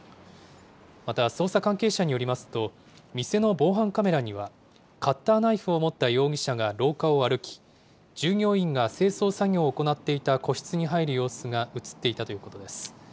また、捜査関係者によりますと、店の防犯カメラには、カッターナイフを持った容疑者が廊下を歩き、従業員が清掃作業を行っていた個室に入る様子が写っていたということです。